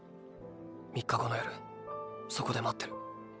３日後の夜そこで待ってる。